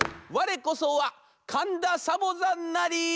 われこそはかんだサボざんなり」。